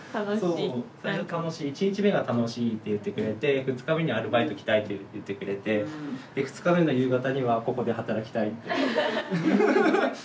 １日目が楽しいって言ってくれて２日目にアルバイト来たいと言ってくれてで２日目の夕方にはここで働きたいって。